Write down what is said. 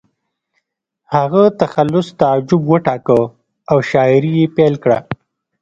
هغه تخلص تعجب وټاکه او شاعري یې پیل کړه